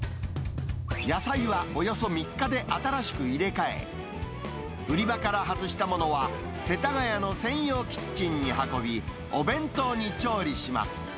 野菜はおよそ３日で新しく入れ替え、売り場から外したものは、世田谷の専用キッチンに運び、お弁当に調理します。